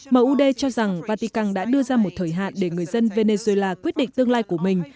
moud cho rằng vatican đã đưa ra một thời hạn để người dân venezuela quyết định tương lai của mình